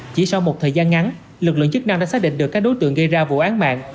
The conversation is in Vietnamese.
chỉ sau một thời gian ngắn lực lượng chức năng đã xác định được các đối tượng gây ra vụ án mạng